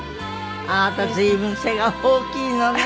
あなた随分背が大きいのね。